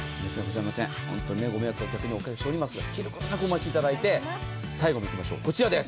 本当にご迷惑をおかけしますが、切ることなくお待ちいただいて、最後もいきましょう、こちらです。